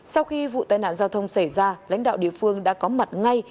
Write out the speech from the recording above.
sau khi vụ tai nạn giao thông xảy ra lãnh đạo địa phương đã có mặt ngay